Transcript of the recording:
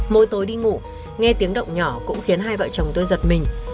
mỗi tối đi ngủ nghe tiếng động nhỏ cũng khiến hai vợ chồng tôi giật mình